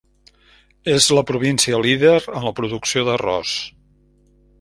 És la província líder en la producció d'arròs.